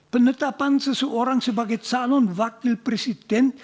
penetapan seseorang sebagai calon wakil presiden